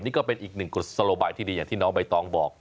นี่ก็เป็นอีกหนึ่งกุศโลบายที่ดีอย่างที่น้องใบตองบอก